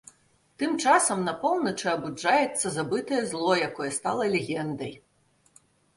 Тым часам, на поўначы, абуджаецца забытае зло, якое стала легендай.